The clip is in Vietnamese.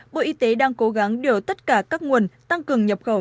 bộ y tế đang cố gắng điều tất cả các nguồn tăng cường nhập khẩu